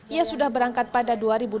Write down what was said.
ia sudah berangkat pada dua ribu dua puluh